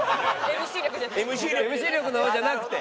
ＭＣ力の方じゃなくて。